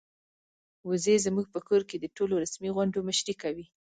وزې زموږ په کور کې د ټولو رسمي غونډو مشري کوي.